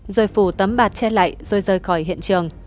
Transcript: rồi phủ tấm bạt che lại rồi rời khỏi hiện trường